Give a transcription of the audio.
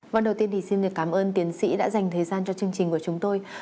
vâng đầu tiên thì xin được cảm ơn tiến sĩ đã dành thời gian cho chương trình của chúng tôi